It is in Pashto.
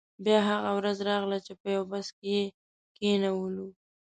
بیا هغه ورځ راغله چې په یو بس کې یې کینولو.